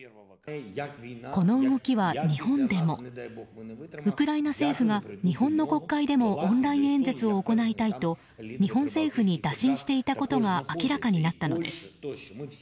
この動きは日本でもウクライナ政府が日本の国会でもオンライン演説を行いたいと日本政府に打診していたことが明らかになったのです。